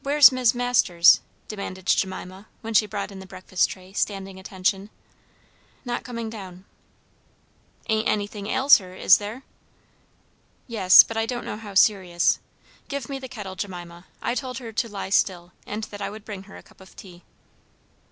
"Where's Mis' Masters?" demanded Jemima when she brought in the breakfast tray, standing attention. "Not coming down." "Ain't anything ails her, is there?" "Yes. But I don't know how serious. Give me the kettle, Jemima; I told her to lie still, and that I would bring her a cup of tea."